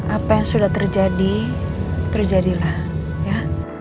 apa yang sudah terjadi terjadilah ya